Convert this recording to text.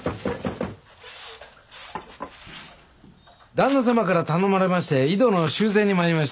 旦那様から頼まれまして井戸の修繕に参りました。